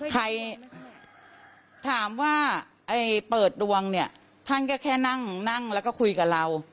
ใครถามว่าเปิดดวงเนี่ยท่านก็แค่นั่งนั่งแล้วก็คุยกับเรา